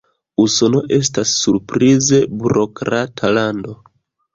Usono estas surprize burokrata lando.